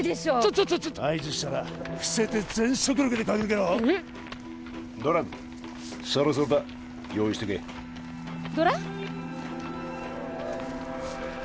ちょっちょっ合図したら伏せて全速力で駆け抜けろえっ？ドラムそろそろだ用意しとけドラ？